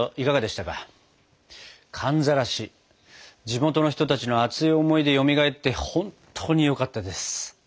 地元の人たちの熱い思いでよみがえって本当によかったです。